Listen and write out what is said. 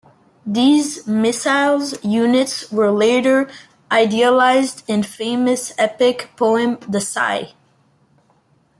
These missile units were later idealized in the famous epic poem The Sie.